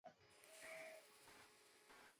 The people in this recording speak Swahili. viinnie alijikuta kwenye staha ya meli